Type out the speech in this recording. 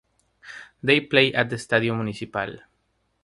They play at the Estadio Municipal.